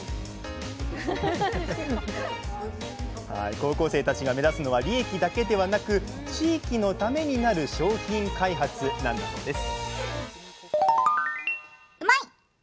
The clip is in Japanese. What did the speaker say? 高校生たちが目指すのは利益だけではなく地域のためになる商品開発なんだそうです